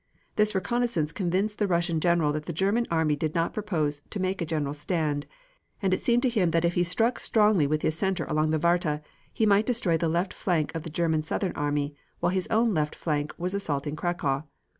This reconnaissance convinced the Russian general that the German army did not propose to make a general stand, and it seemed to him that if he struck strongly with his center along the Warta, he might destroy the left flank of the German southern army, while his own left flank was assaulting Cracow.